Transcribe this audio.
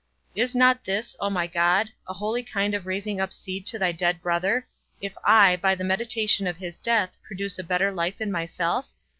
Is not this, O my God, a holy kind of raising up seed to my dead brother, if I, by the meditation of his death produce a better life in myself?